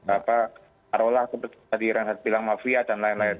apa taruhlah seperti tadi renhardt bilang mafia dan lain lain